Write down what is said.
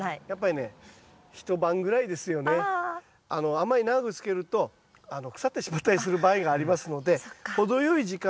あんまり長くつけると腐ってしまったりする場合がありますので。